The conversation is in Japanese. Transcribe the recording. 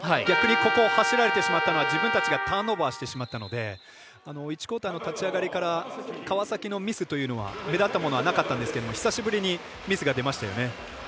逆にここを走られてしまったのは自分たちがターンオーバーしてしまったので１クオーターの立ち上がりから川崎のミスというのは目立ったものはなかったんですけどミスが出ましたよね。